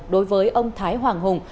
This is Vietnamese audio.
đối với ông thái hoàng hùng